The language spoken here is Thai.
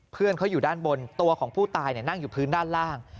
เพื่อนเขาอยู่ด้านบนตัวของผู้ตายนั่งอยู่พื้นด้านล่าง